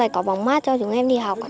có bóng mát cho chúng em đi học